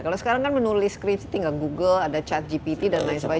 kalau sekarang kan menulis skripsi tinggal google ada chat gpt dan lain sebagainya